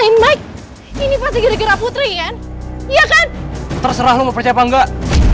ini gara gara putri ya iya kan terserah lu percaya enggak